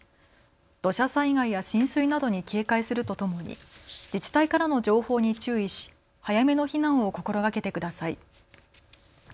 土砂災害や浸水などに警戒するとともに自治体からの情報に注意し早めの避難を心がけてください。